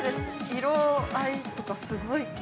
色合いとかすごい。